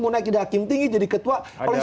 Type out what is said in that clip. mau naik ke hakim tinggi jadi ketua